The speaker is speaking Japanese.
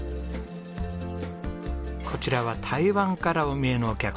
こちらは台湾からお見えのお客様です。